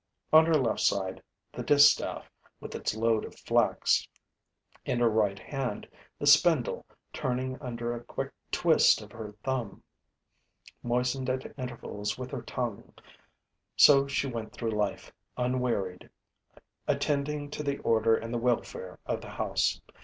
On her left side, the distaff, with its load of flax; in her right hand, the spindle turning under a quick twist of her thumb, moistened at intervals with her tongue: so she went through life, unwearied, attending to the order and the welfare of the house.